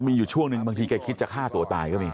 มีอยู่ช่วงหนึ่งบางทีแกคิดจะฆ่าตัวตายก็มี